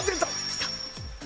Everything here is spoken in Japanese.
きた！